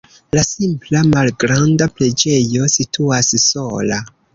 La simpla malgranda preĝejo situas sola.